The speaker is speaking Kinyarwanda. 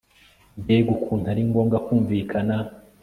mbega ukuntu ari ngombwa kumvikana